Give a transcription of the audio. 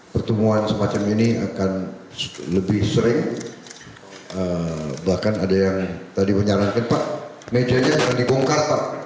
pertemuan semacam ini akan lebih sering bahkan ada yang tadi menyarankan pak mejanya akan dibongkar pak